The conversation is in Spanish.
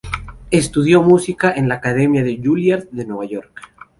Estudió música en la Academia de Juilliard de Nueva York.